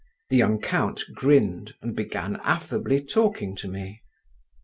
The young count grinned, and began affably talking to me.